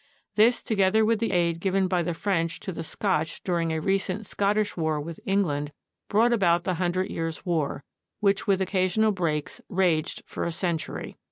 This, together with the aid given by the French to the Scotch during a recent Scottish war with England, brought about the Hun dred Years' War, which with occasional breaks raged for a century.